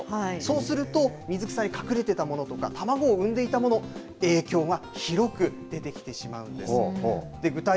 そうすると水草に隠れていのもいたものとか卵を産んでいたもの影響が広く出てきてしまうんです。